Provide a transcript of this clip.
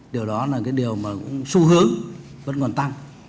điều đó là cái điều mà cũng xu hướng vẫn còn tăng